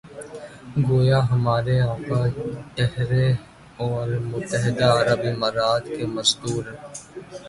گویا ہمارے آقا ٹھہرے اور متحدہ عرب امارات کے مزدور۔